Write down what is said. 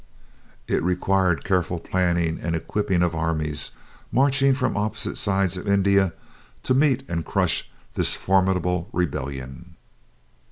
It required careful planning and equipping of armies marching from opposite sides of India to meet and crush this formidable rebellion.